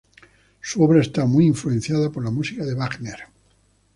Su obra está muy influenciada por la música de Wagner.